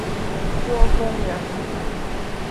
郭躬人。